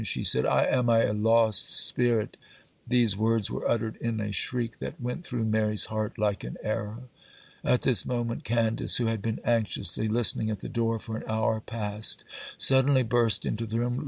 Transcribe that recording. she said,—'I am a lost spirit!' These words were uttered in a shriek that went through Mary's heart like an arrow. At this moment, Candace, who had been anxiously listening at the door for an hour past, suddenly burst into the room.